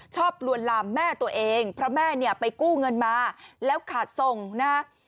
ลวนลามแม่ตัวเองเพราะแม่เนี่ยไปกู้เงินมาแล้วขาดส่งนะฮะ